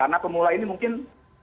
karena pemula ini mungkin